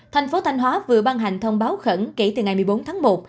thành phố thanh hóa vừa ban hành thông báo khẩn kể từ ngày một mươi bốn tháng một